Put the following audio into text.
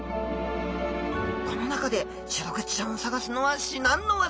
この中でシログチちゃんを探すのは至難のワザ。